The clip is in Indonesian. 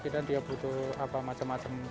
tapi kita butuh apa macam macam